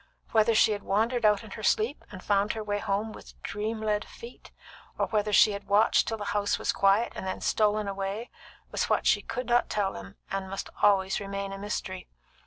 Whether she had wandered out in her sleep, and found her way home with dream led feet, or whether she had watched till the house was quiet, and then stolen away, was what she could not tell them, and must always remain a mystery.